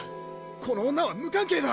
この女は無関係だ！